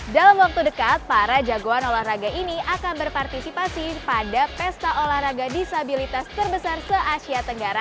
dalam waktu dekat para jagoan olahraga ini akan berpartisipasi pada pesta olahraga disabilitas terbesar se asia tenggara